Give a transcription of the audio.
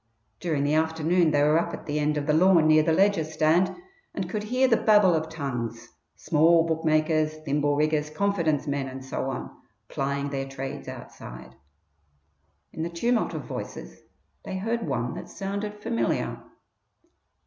During the afternoon they were up at the end of the lawn near the Leger stand and could hear the babel of tongues, small bookmakers, thimble riggers, confidence men, and so on, plying their trades outside. In the tumult of voices they heard one that sounded familiar.